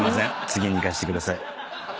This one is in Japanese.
次にいかせてください。